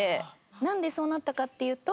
なんでそうなったかっていうと。